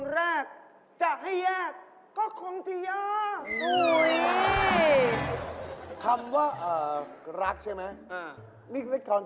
รักเพอรักทำไม